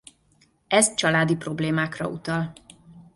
Ez családi problémákra utal.